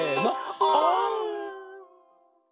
「オン！」